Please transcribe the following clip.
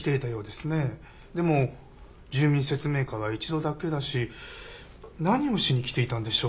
でも住民説明会は一度だけだし何をしに来ていたんでしょう？